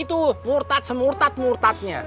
itu murtad semurtad murtadnya